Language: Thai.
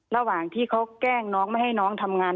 ระหว่างที่เขาแกล้งน้องไม่ให้น้องทำงาน